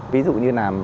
ví dụ như là